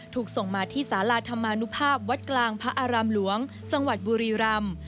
ถูกส่งมาที่สาราธรรมานุภาพวัดกลางพระอารามหลวงจังหวัดบุรีรำ